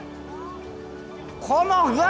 このうわ！